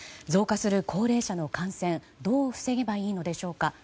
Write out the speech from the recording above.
増加する高齢者の感染どう防げばいいのでしょうか。